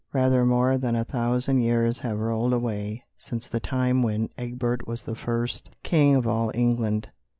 Rather more than a thousand years have rolled away since the time when Egbert was the first king of all England.